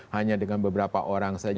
hanya dengan beberapa orang saja